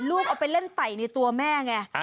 เอาไปเล่นไต่ในตัวแม่ไง